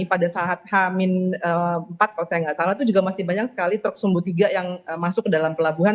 pada saat hamin empat kalau saya nggak salah itu juga masih banyak sekali truk sumbu tiga yang masuk ke dalam pelabuhan